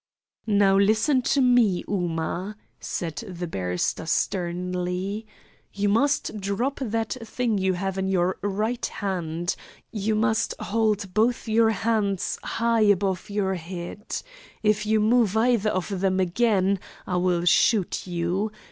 "Now listen to me, Ooma," said the barrister sternly. "You must drop that thing you have in your right hand. You must hold both your hands high above your head. If you move either of them again I will shoot you.